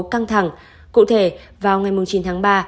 căng thẳng cụ thể vào ngày chín tháng ba